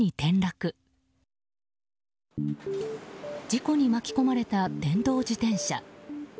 事故に巻き込まれた電動自転車。